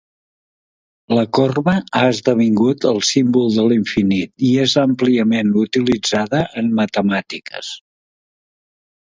La corba ha esdevingut el símbol de l'infinit i és àmpliament utilitzada en matemàtiques.